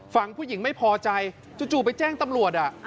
ฝั่งผู้หญิงไม่พอใจจู่ไปแจ้งตำรวจ